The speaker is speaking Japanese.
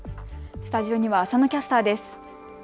スタジオには浅野キャスターです。